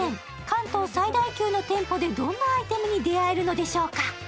関東最大級の店舗で、どんなアイテムに出会えるのでしょうか？